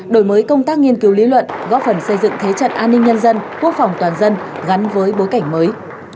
đổi mới công tác nghiên cứu lý luận góp phần xây dựng thế trận an ninh nhân dân quốc phòng toàn dân gắn với bối cảnh mới